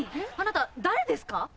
あなた誰ですか？